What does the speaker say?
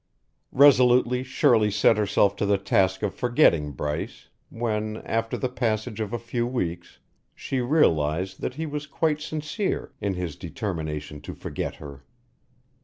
Resolutely Shirley set herself to the task of forgetting Bryce when, after the passage of a few weeks, she realized that he was quite sincere in his determination to forget her.